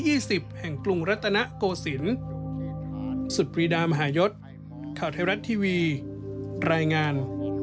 ราชองค์ที่๒๐แห่งกรุงรัฐนะโกศิรณสุภีรดามหายศข่าวไทยรัฐทีวีรายงาน